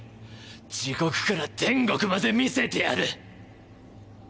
地獄から天国まで見せてやる。